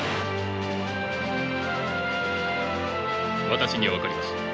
私には分かります。